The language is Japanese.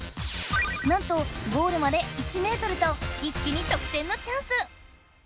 なんとゴールまで１ｍと一気に得点のチャンス！